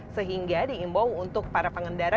sehingga diimbau untuk para pengendara